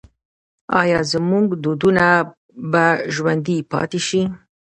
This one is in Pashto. آیا زموږ دودونه به ژوندي پاتې شي؟